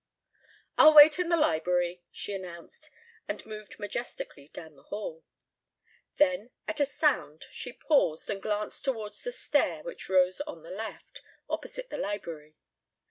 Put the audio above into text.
"I'll wait in the library," she announced, and moved majestically down the hall. Then at a sound she paused and glanced toward the stair which rose on the left, opposite the library.